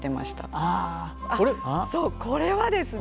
あっそうこれはですね